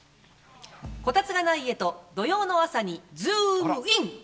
コタツがない家と土曜の朝にズームイン！！